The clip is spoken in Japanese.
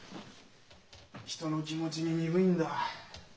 人の気持ちに鈍いんだ。